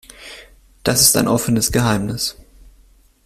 Das ist ein offenes Geheimnis.